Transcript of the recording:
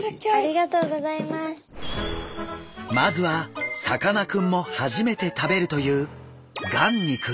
まずはさかなクンも初めて食べるという眼肉。